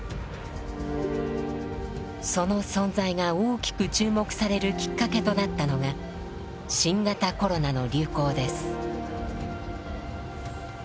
その存在が大きく注目されるきっかけとなったのが新型コロナの流行です。